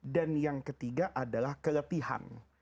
dan yang ketiga adalah kelepihan